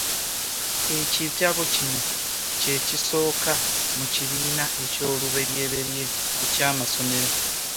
Ekitabo kino kye kisooka mu kibiina eky'olubereberye eky'amasomero.